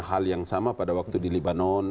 hal yang sama pada waktu di libanon